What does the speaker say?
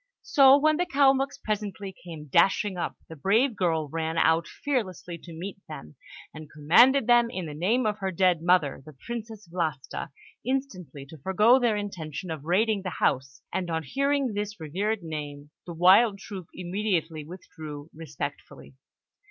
So when the Kalmuks presently came dashing up, the brave girl ran out fearlessly to meet them, and commanded them, in the name of her dead mother, the Princess Vlasta, instantly to forego their intention of raiding the house; and on hearing this revered name, the wild troop immediately withdrew respectfully.